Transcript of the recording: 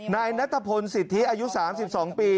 นายนัทพลสิทธิอายุ๓๒ปี